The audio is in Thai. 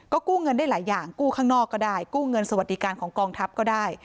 กู้เงินได้หลายอย่างกู้ข้างนอกก็ได้กู้เงินสวัสดิการของกองทัพก็ได้